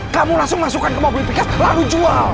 kamu langsung masukkan ke mobil pickup lalu jual